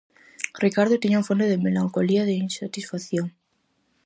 Ricardo tiña un fondo de melancolía, de insatisfacción.